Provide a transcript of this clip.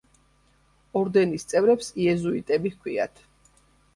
ორდენის წევრებს იეზუიტები ჰქვიათ.